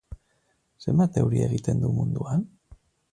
Zenbat euri egiten du munduan?